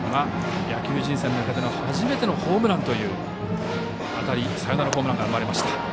野球人生の中で初めてのホームランというサヨナラホームランが生まれました。